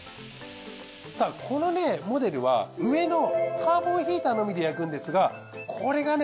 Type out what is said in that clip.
さあこのモデルは上のカーボンヒーターのみで焼くんですがこれがね